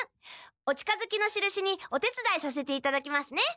お近づきのしるしにお手つだいさせていただきますね。